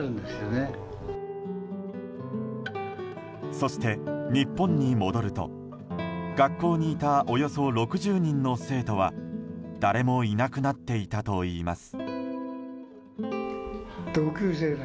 そして日本に戻ると学校にいたおよそ６０人の生徒は誰もいなくなっていたといいます。